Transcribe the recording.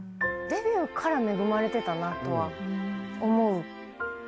デビューから恵まれてたなとは思うかな。